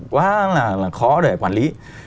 quá là khó để quản lý